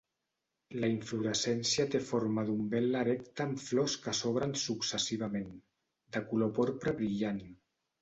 La inflorescència té forma d'umbel·la erecta amb flors que s'obren successivament, de color porpra brillant.